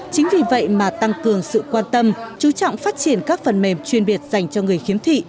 chính vì vậy mà tăng cường sự quan tâm chú trọng phát triển các phần mềm chuyên biệt dành cho người khiếm thị